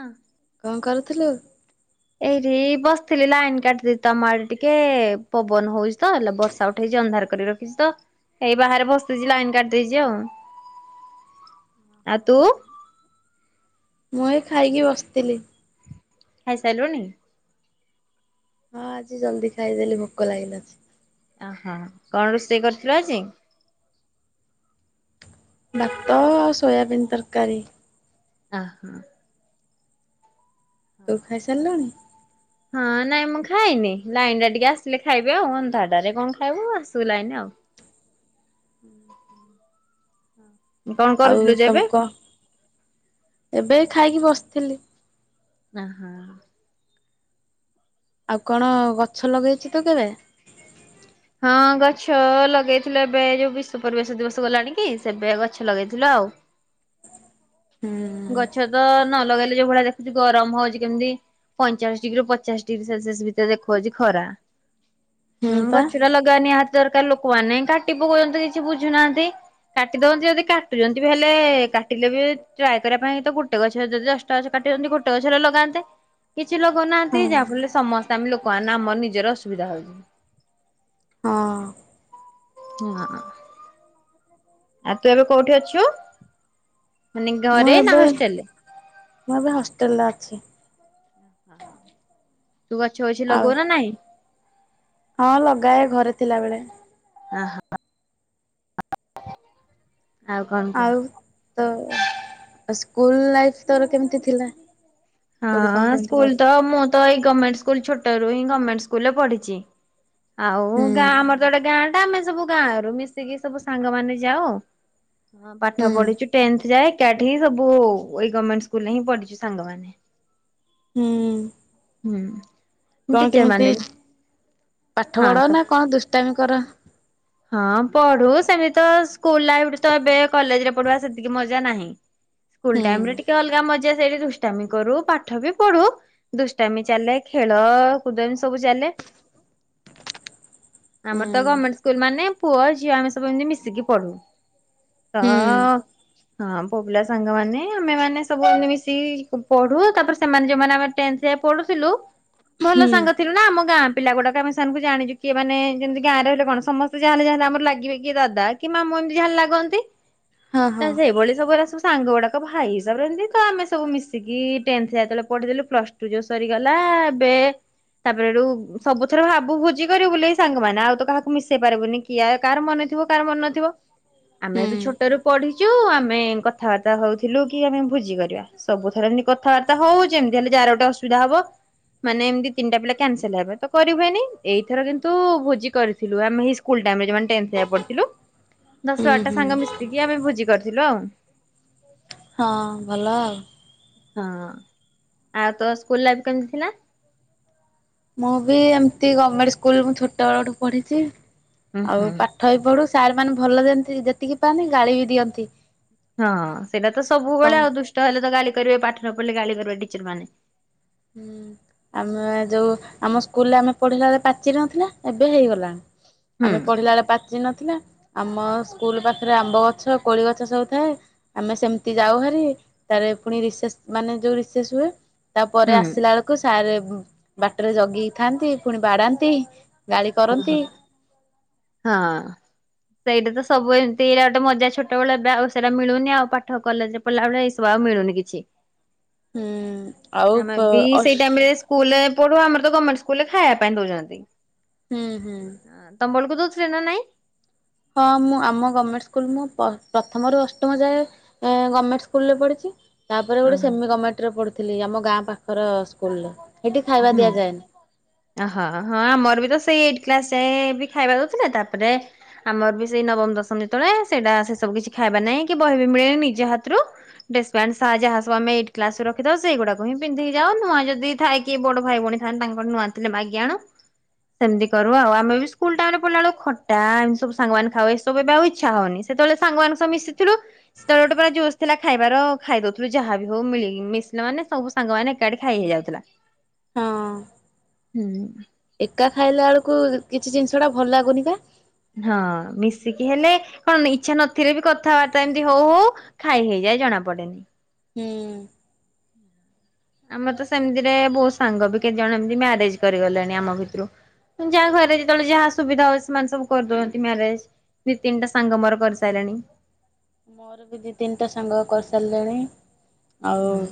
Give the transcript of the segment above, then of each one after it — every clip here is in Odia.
ଅଁ। କଣ କରୁଥିଲୁ? ଏଇରି ବସିଥିଲି ଲାଇନ କାଟିଦି ତମ ଆଡେ ଟିକେ ପବନ ହଉଛି ତ ହେଲା ବର୍ଷା ଉଠେଇଛି ଅନ୍ଧାର କରି ରଖ ଖିଚି ତ ଏଇ ବାହାରେ ବସିଛି ଲାଇନ କାଟିଦେଇଛି ଆଉ। ଆ ତୁ? ମୁଁ ଏଇ ଖାଇକି ବସିଥିଲି। ଖାଇ ସାରିଲୁଣି? ହଁ ଆଜି ଜଲ୍ଦି ଖାଇଦେଲି ଭୋକ ଲାଗିଲା ଯେ। ଓହୋ କଣ ରୋଷେଇ କରିଥିଲୁ ଆଜି? ଭାତ ଆଉ ସୋୟାବିନ୍ ତରକାରୀ। ଅ ହୋ। ତୁ ଖାଇସାରିଲୁଣି? ହଁ ନାଇଁ ମୁଁ ଖାଇନି ଲାଇନ ଟା ଟିକେ ଆସିଲେ ଖାଇବି ଆଉ ଅନ୍ଧାଟାରେ କଣ ଖାଇବୁ ଆସୁ ଲାଇନ ଆଉ। ହୁଁ ହୁଁ। କଣ ଆଉ କରୁଥିଲୁ ଯେ ଏବେ ତମକୁ କ ଏବେ ଖାଇକି ବସିଥିଲି। ଅଁ ହଁ। ଆଉ କଣ ଗଛ ଲଗେଇଛୁ ତୁ କେବେ? ହଁ ଗଛ ଲଗେଇଥିଲୁ ଏବେ ଯୋଉ ବିଶ୍ଵ ପରିବେଶ ଦିବସ ଗଲାଣି କି ସେବେ ଗଛ ଲଗେଇଥିଲୁ ଆଉ। ହୁଁ। ଗଛ ତ ନ ଲଗେଇଲେ ଯୋଉ ଭଳିଆ ଦେଖୁଛି ଗରମ ହଉଛି କେମିତି। ପଇଁଚାଶ ଡିଗ୍ରୀରୁ ପଚାଶ ଡିଗ୍ରୀ ସେଲସିୟସ ଭିତରେ ଦେଖଉଛି ଖରା। ହୁଁ ଗଛ ଟା ଲଗା ନିହାତି ଦରକାର ଲୋକମାନେ କାଟି ପକଉ ଛନ୍ତି କିଛି ବୁଝୁନାହାନ୍ତି। କାଟି ଦଉନ୍ତି ଯଦି କାଟୁଛନ୍ତି ବି ହେଲେ କାଟିଲେ ବି ଟ୍ରାଏ କରିବା ପାଇଁ ତ ଗୋଟେ ଗଛରେ ଯଦି ଦଶଟା ଗଛ କାଟିଛନ୍ତି ଗୋଟେ ଗଛ ହେଲେ ଲଗାନ୍ତେ। କିଛି ଲୋକ ହଁ ନାହାନ୍ତି ଯାହାଫଳରେ ସମସ୍ତେ ଆମେ ଲୋକମାନେ ଆମର ନିଜର ଅସୁବିଧା ହଉଛି। ହଁ। ହୁଁ ଆ। ଆଉ ତୁ ଏବେ କୋଉଠି ଅଛୁ? ମାନେ ମୁଁ ଘରେ ନା ଏବେ ହଷ୍ଟେଲରେ? ମୁଁ ଏବେ ହଷ୍ଟେଲେ ଅଛି। ଓହୋ ତୁ ଗଛ ଫଛ ଆଉ ଲଗଉ ନା ନାଇଁ? ହଁ ଲଗାଏ ଘରେ ଥିଲାବେଳେ। ଅ ହଁ। ଆଉ କଣ କହ? ଆଉ ତୋ ସ୍କୁଲ ଲାଇଫ ତୋର କେମିତି ଥିଲା? କୋଉଠି କଣ ହଁ କେମିତି ସ୍କୁଲ ତ ପଢୁଥିଲୁ? ମୁଁ ତ ଏଇ ଗଣ୍ଣମେଣ୍ଟ ସ୍କୁଲ ଛୋଟରୁ ହିଁ ଗମେଣ୍ଟ ସ୍କୁଲରେ ପଢିଚି। ଆଉ ହୁଁ ଗାଁ ଆମର ତ ଗୋଟେ ଗାଁ ଟା ଆମେ ସବୁ ଗାଁ ରରୁ ମିଶିକି ସବୁ ସାଙ୍ଗ ମାନେ ଯାଉ। ହଁ ପାଠ ହୁଁ ପଢୁଛୁ ଟେନ୍ଥ ଯାଏ ଏକାଠି ହିଁ ସବୁ ଏଇ ଗର୍ମେଣ୍ଟ ସ୍କୁଲରେ ହିଁ ପଢିଛୁ ସାଙ୍ଗମାନେ। ହୁଁ। ହୁଁ। କଣ ଟିଚର କେମିତି ମାନେ ବି ପାଠ ହଁ ପଢ କ ନା କଣ ଦୁଷ୍ଟାମି କର? ହଁ ପଢୁ ସେମିତି ତ ସ୍କୁଲ ଲାଇଫଠୁ ତ ଏବେ କଲେଜରେ ପଢ଼ିବା ସେତିକି ମଜା ନାହିଁ। ସ୍କୁଲ ହୁଁ ଟାଇମିରେ ଟିକେ ଅଲଗା ମଜା ସେଠି ଦୁଷ୍ଟାମି କରୁ ପାଠ ବି ପଢୁ ଦୁଷ୍ଟାମି ଚାଲେ ଖେଳ କୁଦ ଏମିତି ସବୁ ଚାଲେ। ହୁଁ ଆମର ତ ଗମେଣ୍ଟ ସ୍କୁଲ ମାନେ ପୁଅ ଝିଅ ଆମେ ସବୁ ଏମିତି ମିଶିକି ପଢୁ ତ ହୁଁ ହଁ ପୁଅ ପିଲା ସାଙ୍ଗମାନେ ଆମେମାନେ ସବୁ ଏମିତି ମିଶିକି ପଢୁ, ତାପରେ ସେମାନେ ଯୋଉମାନେ ଆମେ ଟେନ୍ଥ୍ ରେ ପଢୁଥିଲୁ ଭଲ ହୁଁ ସାଙ୍ଗ ଥିଲୁ ନା ଆମ ଗାଁ ପିଲା ଗୁଡାକ ଆମେ ସେମାନଙ୍କୁ ଜାଣିଛୁ କିଏ ମାନେ ଯେମିତି ଗାଁରେ ହେଲେ କଣ ସମସ୍ତେ ଯାହେଲେ-ଯାହେଲେ ଲାଗିବେ କିଏ ଦାଦା କିଏ ମାମୁଁ ଏମିତି ଯାହେଲେ ଲାଗନ୍ତି। ହଁ ତ ହଁ ସେଇଭଳି ସବୁ ଏରା ସବୁ ସାଙ୍ଗ ଗୁଡାକ ଭାଇ ହିସାବରେ ଏମିତି ଆମେ ସବୁ ମିଶିକି ଟେନ୍ଥ ଯତେବେଳେ ପଢେଇଦଲୁ, ପ୍ଲସ ଟୁ ଯୋଉ ସରିଗଲା ଏବେ ତାପରେ ସେଠୁ ସବୁ ଥର ଭାବୁ ଭୋଜି କରିବୁ ବୋଲି ଏଇ ସାଙ୍ଗମାନେ ଆଉ ତ କାହାକୁ ମିଶେଇ ପାରିବୁନି କି କାହାର ମନେ ଥିବ କାହାର ମନେ ନଥିବ ଆମେ ହୁଁ ତ ଛୋଟରୁ ପଢି ଚୁ ଆମେ କଥାବାର୍ତ୍ତା ହୋଉଥିଲୁ କି ଆମେ ଭୁଜି କରିବା। ସବୁଥରେ ଏମିତି କଥାବାର୍ତ୍ତା ହୋଉ ଯେମିତି ହେଲେ ଯାହାର ଗୋଟେ ଅସୁବିଧା ହବ। ମାନେ ଏମିତି ତିନିଟା ପିଲା କ୍ୟାନସେଲ ହେବେ ତ କରିହୁଏନି ଏଇଥର କିନ୍ତୁ ଭୋଜି କରି ଥିଲୁ ଆମେ ଏଇ ସ୍କୁଲ ଟାଇମ୍ ରେ ଯୋଉମାନେ ଟେନ୍ଥ ଯାଏ ପଢ଼ିଥିଲୁ। ଦଶ ହୁଁ ବାରଟା ସାଙ୍ଗ ହୁଁ ମିଶିକି ଆମେ ଭୋଜି କରିଥିଲୁ ଆଉ। ହଁ ଭଲ ଆଉ। ହଁ ଆଉ ତୋ ସ୍କୁଲ ଲାଇଫ୍ କେମିତି ଥିଲା? ମୁଁ ବି ଏମିତି ଗମେଣ୍ଟ ସ୍କୁଲ ମୁଁ ଛୋଟବେଳଠୁ ପଢ଼ିଚି ହୁଁ ଆଉ ହୁଁ। ପା ପାଠ ବି ପଢୁ ସାର୍ ମାନେ ଭଲ ଯେତିକି ପାଆନ୍ତି ଗାଳି ବି ଦିଅନ୍ତି। ହଁ ସେଇଟା ତ କଣ ସବୁବେଳେ ଆଉ ଦୁଷ୍ଟ ହେଲେ ତ ଗାଳି କରିବେ ପାଠ ନ ପଢିଲେ ଗାଳି କରିବେ ଟିଚର ମାନେ। ହୁଁ। ଆମେ ଯୋଉ ଆମ ସ୍କୁଲରେ ଆମେ ପଢିଲା ବଳେ ପାଚେରି ନଥିଲା ଏବେ ହେଇଗଲାଣି। ହୁଁ। ଆମେ ପଢିଲା ବେଳେ ପାଚେରି ନଥିଲା ଆମ ସ୍କୁଲ ପାଖରେ ଆମ୍ବ ଗଛ କୋଳି ଗଛ ସବୁ ଥାଏ। ଆମେ ସେମିତି ଯାଉ ହାରି ତାରେ ପୁଣି ରିସେସ୍ ମାନେ ଯୋଉ ରିସେସ୍ ହୁଏ। ପରେ ଆସିଲା ହୁଁ ବେଳକୁ ସାର୍ ବାଟରେ ଜଗିକି ଥାନ୍ତି ପୁଣି ବାଡାନ୍ତି। ଓହୋ ହଁ। ସେଇଟା ତ ସବୁ ଏମିତି ଇଟା ଗୋଟେ ମଜା ଛୋଟବେଳ ଏବେ ଆଉ ସେଇଟା ମିଳୁନି ଆଉ ପାଠ କଲେଜରେ ପଢ଼ିଲା ବେଳେ ଏସବୁ ଆଉ ମିଳୁନି କିଛି ହୁଁ ଆଉ ଆମେ ବି ଅସ୍ ସେଇ ଟାଇମ୍ ରେ ସ୍କୁଲରେ ପଢୁ ଆମର ତ ଗମେଣ୍ଟ ସ୍କୁଲରେ ଖାଇବା ପାଇଁ ଦୋଉଚନ୍ତି। ହୁଁ-ହୁଁ। ତମବେଳକୁ ଦୋଉଥିଲେ ନା ନାଇଁ? ହଁ ମୁଁ ଆମ ଗମେଣ୍ଟ ସ୍କୁଲ ମୁଁ ପ୍ରଥମରୁ ଅଷ୍ଟମ ଯାଏ ଗମେଣ୍ଟ ସ୍କୁଲରେ ପଢିଚି। ତାପରେ ଗୋଟେ ସେମି ଗମେଟ୍ ରେ ପଢୁଥିଲି ଆମ ଗାଁ ପାଖର ସ୍କୁଲରେ ସେଇଠି ଖାଇବା ହୁଁ ଦିଆଯାଏନି। ଓହୋ ହଁ ଆମର ବି ତ ସେଇ ଏଇଟି କ୍ଲାସ ଯାଏ ବି ଖାଇବା ଦୋଉଥିଲେ ତାପରେ ଆମର ବି ସେଇ ନବମ ଦଶମ ଯେତବେଳେ ସେଇଟା ସେ ସବୁ କିଛି ଖାଇବା ନାହିଁ କି ବହି ବି ମିଳେନି ନିଜ ହାତରୁ ଡେସ [unintelligible] ଯାହା ସବୁ ଆମେ ଏଇଟ କ୍ଲାସ ରେ ରଖିଥାଉ ସେଇଗୁଡାକୁ ହିଁ ପନ୍ଧିକି ଯାଉ ନୂଆ ଯଦି ଥାଏ କି ବଡ ଭାଇ ଭଉଣ ଥାନ୍ତି ତାଙ୍କର ନୂଆଁ ଥିଲେ ମାଗିଆଣୁ। ସେମିତି କରୁ ଆଉ ଆମେ ବି ସ୍କୁଲ ଟାଇମ ରେ ପଢିଲା ବେଳକୁ ଖଟା ଏମି ସବୁ ସାଙ୍ଗାମାନେ ଖାଉ ଏସବୁ ଏବେ ଆଉ ଇଛା ହଉନି। ସେତବେଳେ ସାଙ୍ଗମାନଙ୍କ ସହ ମିଶିଥିଲୁ। ସେତେବେଳେ ଗୋଟେ ମାନେ ଜୋସ୍ ଥିଲା ଖାଇବାର ଖାଇଦଉଥିଲୁ ଯାହାବି ହଉ ମିଳି ମିଶିଲା ମାନେ ସବୁ ସାଙ୍ଗମାନେ ଏକାଠି ଖାଇ ହେଇଯାଉଥିଲା। ହଁ। ହୁଁ। ଏକା ଖାଇଲା ବେଳକୁ କିଛି ଜିନିଷ ଟା ଭଲ ଲାଗୁନି ପା। ହଁ ମିଶିକି ହେଲେ କଣ ଇଚ୍ଛା ନଥିଲେ ବି କଥାବାର୍ତ୍ତା ଏମିତି ହଉ-ହଉ ଖାଇ ହେଇଯାଏ ଜଣା ପଡେନି। ହୁଁ। ଆମର ତ ସେମିତିରେ ବୋହୁତ ସାଙ୍ଗ ବି କେତେ ଜଣ ଏମିତି ମ୍ୟାରେଜ କରିଗଲେଣି ଆମ ଭିତୁରୁ। ଯାହା ଘରେ ଯେତେବେଳେ ଯାହା ସୁବିଧା ହଉ ସେମାନେ ସବୁ କରିଦଉଅନ୍ତି ମ୍ୟାରେଜ। ଦିଇ ତିନିଟା ସାଙ୍ଗ ମୋର କରିସାରିଲେଣି। ମୋର ବି ଦି ତିନିଟା ସାଙ୍ଗ କରିସାରିଲେଣି ଉଁ ଆଉ ହୁଁ।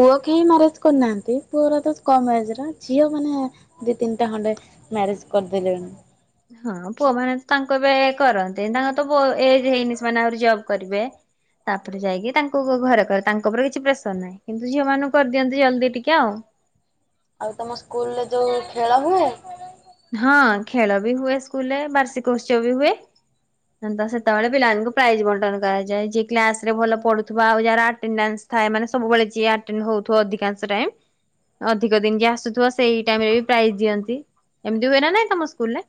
ପୁଅ କେହି ମ୍ୟାରେଜ କରିନାହାନ୍ତି ପୁଅରା ତ କମ ମଜ ଝିଅ ମାନେ ଦି ତିନଟା ଖଣ୍ଡେ ମ୍ୟାରେଜ କରିଦଲେଣି। ହଁ ପୁଅ ମାନେ ତ ତାଙ୍କୁ ଏବେ କରନ୍ତି ତାଙ୍କ ତ ବ ଏଜ ହେଇନି ସେମାନେ ଆହୁରି ଜବ୍ କରିବେ। ତାପରେ ଯାଇକି ତାଙ୍କୁ ଘରେ କ ତାଙ୍କ ଉପରେ କିଛି ପ୍ରେସର ନାହିଁ କିନ୍ତୁ ଝିଅ ମାନଙ୍କୁ କରିଦିଅନ୍ତି ଜଲ୍ଦି ଟିକେ ଆଉ। ଆଉ ତମ ସ୍କୁଲ ରେ ଯୋଉ ଖେଳ ହୁଏ। ହଁ ଖେଳ ବି ହୁଏ ସ୍କୁଲରେ ବାର୍ଷିକ ଉତ୍ସବ ବି ହୁଏ। ଥାନ୍ତ ସେତେବେଳେ ପିଲାମାନଙ୍କୁ ପ୍ରାଇଜ ବଣ୍ଟନ କରାଯାଏ ଯିଏ କ୍ଲାସ ରେ ଭଲ ପଡୁଥିବା ଆଉ ଯାହାର ଆଟେଣ୍ଡନେସ ଥାଏ ମାନେ ସବୁବେଳେ ଯିଏ ଆଟେଣ୍ଡେ ହଉଥିବ ଅଧିକାଂଶ ଟାଇମ। ଅଧିକ ଦିନ ଯିଏ ଆସୁଥିବ ସେଇ ଟାଇମ ରେ ବି ପ୍ରାଇଜ ଦିଅନ୍ତି ଏମିତି ହୁଏ ନା ନାଇଁ ତମ ସ୍କୁଲ ରେ।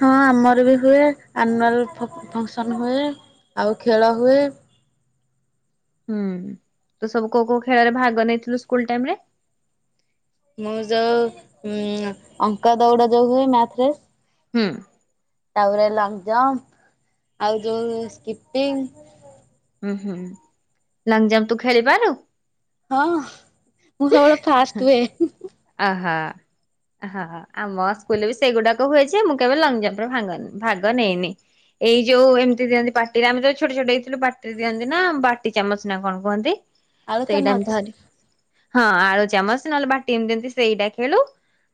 ହଁ ଆମର ବି ହୁଏ ଆନୁଆଲ ଫ-ଫଙ୍କସନ ହୁଏ ଆଉ ଖେଳ ହୁଏ। ହୁଁ ତୁ ସବୁ କୋଉ କୋଉ ଖେଳରେ ଭାଗ ନେଇଥିଲୁ ସ୍କୁଲ ଟାଇମ ରେ। ମୁଁ ଯୋଉ ଉଁ ଅଙ୍କ ଦୌଡା ଯୋଉ ହୁଏ ମ୍ୟାଥରେ। ହୁଁ। ତାପରେ ଲଙ୍ଗ ଜମ୍ପ ଆଉ ଯୋଉ ସ୍କିପିଙ୍ଗ। ହୁଁ ହୁଁ ଲଙ୍ଗ ଜମ୍ପ ତୁ ଖେଳିପାରୁ? ହଁ ମୁଁ ସବୁବେଳେ ଫାଷ୍ଟ ହୁଏ। ଆହା। ହଁ ଆମୋ ସ୍କୁଲ ବି ସେଇଗୁଡାକ ହୁଏ ଯେ ମୁଁ କେବେ ଲଙ୍ଗ ଜମ୍ପ ରେ ଭାଙ୍ଗନେଇ ଭାଗ ନେଇନି। ଏଇ ଯୋଉ ଏମତିିଦିଅନ୍ତି ପଟିରେ ଆମେ [unintelligible] ଛୋଟ ଛୋଟଇଥିଲୁ ପା ଦିଅନ୍ତି ନା ବାଟି ଚାମଚ ନା କଣ କୁହନ୍ତି ଆଳୁ ଚାମଚ ସେଇଟା ବି ଧରି ହଁ ଆଳୁ ଚାମଚ ନହେଲେ ବାଟି [unintelligible] ସେଇଟା ଖେଳୁ।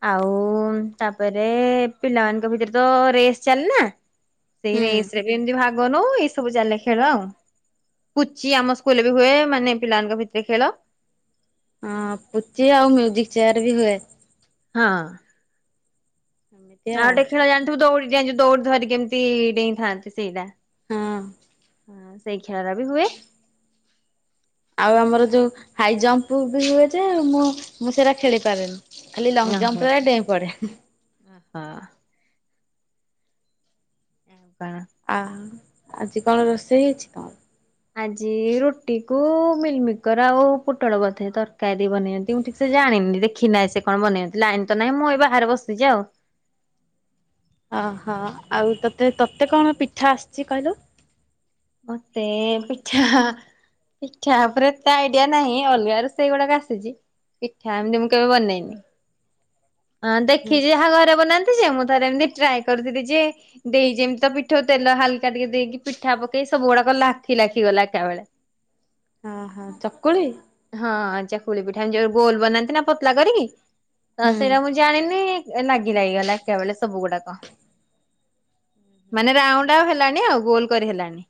ଆଉ ତାପରେ ପିଲାମାନଙ୍କ ଭିତରେ ତ ରେସ୍ ଚାଲେନା। ସେଇ ହୁଁ ରେସ ରେ ବି ଏମତି ଭାଗ ନଉ ଏଇ ସବୁ ଚାଲେ ଖେଳ ଆଉ। ପୁଚି ଆମ ସ୍କୁଲ ବି ହୁଏ ମାନେ ପିଲାଙ୍କ ଭିତରେ ଖେଳ। ହଁ ପୁଚି ଆଉ ମ୍ୟୁଜିକ ଚେୟାର ବି ହୁଏ। ହଁ ଆ ଏମିତି ଆଉ ଗୋଟେ ଖେଳ ଜାଣିଥିବୁ ଦୌଡ଼ି ଡିଆଁ ଯୋଉ ଦୌଡି ଧରି କେମିତି ଡେଇଁଥାନ୍ତି ସେଇଟା। ହଁ। ହଁ ସେଇ ଖେଳରା ବି ହୁଏ। ଆଉ ଆମର ଯୋଉ ହାଇ ଜମ୍ପ ବି ହୁଏ ଯେ, ମୁ ମୁ ସେଟା ଖେଳିପାରେନି। ଖାଲି ଲଙ୍ଗ ଜମ୍ପ ରେ ଡେଇଁ ପଡ଼େ। ହଁ ପାଁ ଆ ଆଜି କଣ ରୋଷେଇ ହେଇଛି କଣ? ଆଜି ରୁଟି କୁ ମିଲମିକର ଆଉ ପୋଟଳ ବୋଧେ ତରକାରୀ ବନେଇନ୍ତି ଠି ସେ ଜାଣିନି ଦେଖି ନାହିଁ ସେ କଣ ବନେଇହନ୍ତି ଲାଇନ ତ ନାହିଁ ମୁଁ ଏ ବାହାରେ ବସିଛି ଆଉ। ଓହୋ ଆଉ ତତେ ତୋତେ କଣ ପିଠା ଆସିଛି କହିଲୁ? ମତେ ପିଠା ପିଠା ଉପରେ ଏତେ ଆଇଡିଆ ନାହିଁ। ଅଲଗା ରୋଷେଇ ବେଳରେ ଆସିଛି। ପିଠା ଏମିତି ମୁଁ କେବେ ବନେଇନି। ହଁ ହୁଁ ଦେଖିଛି ଯାହା ଘରେ ବନାନ୍ତି ଯେ ମୁଁ ଥରେ ଏମିତି ଟ୍ରାଏ କରିଥିଲି ଯେ ଦେଇ ଯେମିତି ତ ପିଠା ତେଲ ହାଲକା ଟିକେ ଦେଇକି ପିଠା ପକେଇ ସବୁ ଗୁଡା ଲାଖି ଲାଖି ଗଲା ଏକା ବେଳେ। ଆ ହା ଚକୁଳି ହଁ ଆ ଚକୁଳି ପିଠା ଯୋଉ ଗୋଲ ବନାନ୍ତି ନା ପତଳା କରିକି ତ ହୁଁ ସେଇଟା ମୁଁ ଜାଣିନି ଲାଗି ଲାଗିଗଲା ଏକା ବଳେ ସବୁ ଗୁଡ଼ାକ ମାନେ ରାଉଣ୍ଡ ଆଉ ହେଲାନି, ଆଉ ଗୋଲ କରି ହେଲାନି।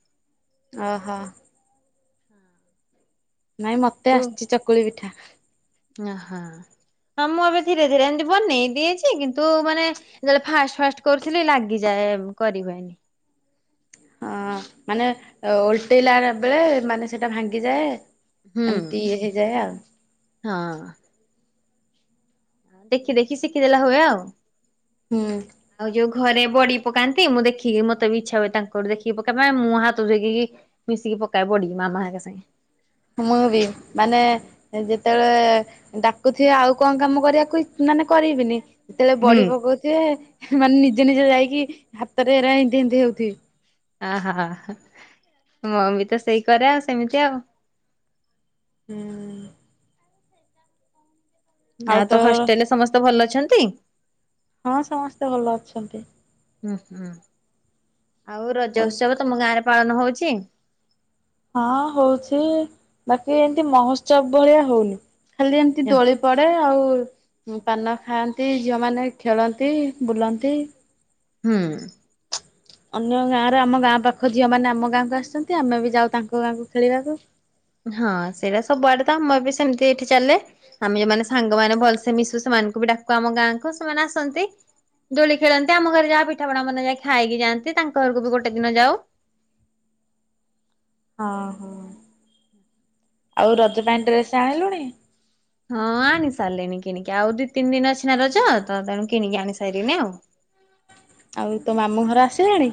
ଓହୋ ନାଇଁ ମତେ ଆସିଛି ଚକୁଳି ପିଠା। ଓହଁ ହଁ ମୁଁ ଏବେ ଧିରେ ଧିରେ ଏମିତି ବନେଇ ଦିଏ ଯେ, କିନ୍ତୁ ମାନେ ଯେତେବେଳେ ଫାଷ୍ଟ ଫାଷ୍ଟ କରୁଥିଲି ଲାଗିଯାଏ କରି ହୁଏନି। ହଁ ମାନେ ଓଲଟେଇଲା ବେଳେ ମାନେ ସେଟା ଭାଙ୍ଗିଯାଏ। ହୁଁ। ଏମତି ଇଏ ହେଇଯାଏ ଆଉ। ହଁ ଦେଖି ଦେଖି ଶିଖିଦେଲେ ହୁଏ ଆଉ। ହୁଁ ଆଉ ଯୋଉ ଘରେ ବଡି ପକାନ୍ତି ମୁଁ ଦେଖିକି ମତେ ବି ଇଚ୍ଛା ହୁଏ, ତାଙ୍କଠୁ ଦେଖିକି ପକାପାଇଁ ମୁଁ ହାତ ଦେଖିକି ମିଶିକି ପକାଏ ବଢ଼ି ମାମା ହେକା ସାଙ୍ଗେ ମୁଁ ବି ମାନେ ଯେତେବେଳେ ଡାକୁଥିବେ ଆଉ କଣ କାମ କରିବାକୁ ମାନେ କରିବିନି ଯେତେବେଳେ ହୁଁ ବଡ଼ି ପକଉଥିବେ, ମାନେ ନିଜେ ନିଜେ ଯାଇକି ହାତରେ ଏରା ଏନ୍ତି ଏନ୍ତି ହଉଥିବେ। ଅ ହଁ ହଁ ମୋ ମମି ତ ସେଇ କରେ ଆଉ ସେମିତି ଆଉ ହୁଁ ଆଉ ତୋ ହଷ୍ଟେଲ ରେ ସମସ୍ତେ ଭଲ ଅଛନ୍ତି? ହଁ ସମସ୍ତେ ଭଲ ଅଛନ୍ତି। ହୁଁ ହୁଁ ଆଉ ରଜ ଉତ୍ସବ ତମ ଗାଁ ରେ ପାଳନ ହଉଛି? ହଁ ହଉଛି। ବାକି ଏମିତି ମହୋତ୍ସବ ଭଳିଆ ହଉନି। ଖାଲି ଏମିତି ଦୋଳି ପଡ଼େ ଆଉ ପାନ ଖାଆନ୍ତି ଝିଅମାନେ ଖେଳନ୍ତି, ବୁଲନ୍ତି ହୁଁ ଅନ୍ୟ ଗାଁର ଆମ ଗାଁ ପାଖ ଝିଅ ମାନେ ଆମ ଗାଁକୁ ଆସନ୍ତି। ଆମେ ବି ଯାଉ ତାଙ୍କ ଗାଁକୁ ଖେଳିବାକୁ। ହଁ ସେଇଟା ସବୁଆଡେ ତ ଆମର ବି ସେମିତି ଏଇଠି ଚାଲେ। ଆମେ ଯୋଉମାନେ ସାଙ୍ଗମାନେ ଭଲସେ ମିଶୁ ସେମାନଙ୍କୁ ବି ଡାକୁ ଆମ ଗାଁକୁ ସେମାନେ ଆସନ୍ତି। ଦୋଳି ଖେଳନ୍ତି ଆମ ଘରେ ଯାହା ପିଠାପଣା ବନା ଯାଏ ଖାଇକି ଯାଆନ୍ତି। ତାଙ୍କ ଘରକୁ ବି ଗୋଟେ ଦିନ ଯାଉ ହଁ ଆଉ ରଜ ପାଇଁ ଡ୍ରେସ ଆଣିଲୁଣି? ହଁ ଆଣି ସାରିଲିଣି କିଣିକି ଆଉ ଦି ତିନି ଦିନ ଅଛି ନା ରଜ ତ ତେଣୁ କିଣିକି ଆଣି ସାରିଲିନି ଆଉ। ଆଉ ତୋ ମାମୁଁ ଘର ଆସିଲାଣି?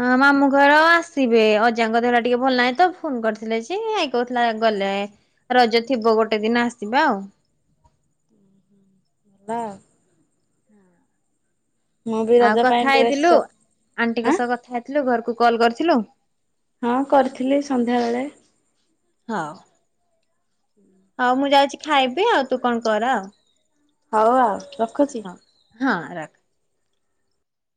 ହଁ ମାମୁଁ ଘର ଆସିବେ ଅଜାଙ୍କ ଦେହ ଟା ଟିକେ ଭଲ ନାହିଁ ତ ଫୋନ କରିଥିଲେ ଯେ ଆଇ କହୁଥିଲା ଗଲେ ରଜ ଥିବ ଗୋଟେ ଦିନ ଆସିବା ଆଉ। [unintelligible] ମୁଁ ବି ଆଉ ରଜ କଥା ପାଇଁ ଡ୍ରେସ୍ ହେଇଥିଲୁ ଆଁ ଆଣ୍ଟିଙ୍କ ସହ କଥା ହେଇଥିଲୁ ଘରକୁ କଲ୍ କରିଥିଲୁ? ହଁ କରିଥିଲି ସନ୍ଧ୍ୟାବେଳେ। ହଉ ହଉ ମୁଁ ଯାଉଛି ଖାଇବି ଆଉ ତୁ କଣ କର ଆଉ। ହଉ ଆଉ ରଖୁଚି। ହଁ ହଁ ରଖ।